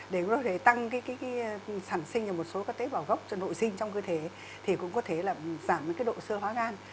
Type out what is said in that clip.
để có thể tăng sản sinh một số các tế bảo gốc nội sinh trong cơ thể thì cũng có thể là giảm độ sơ hóa gan